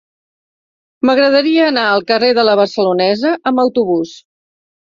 M'agradaria anar al carrer de La Barcelonesa amb autobús.